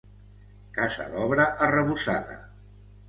Casa d'obra arrebossada.